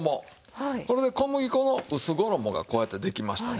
これで小麦粉の薄衣がこうやってできましたね。